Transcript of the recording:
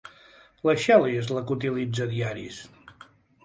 La Shelly és la que utilitza diaris.